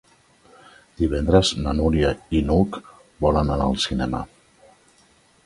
Divendres na Núria i n'Hug volen anar al cinema.